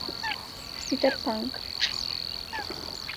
Peter Punk